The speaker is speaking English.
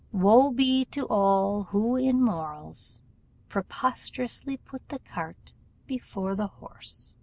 Woe be to all who in morals preposterously put the cart before the horse!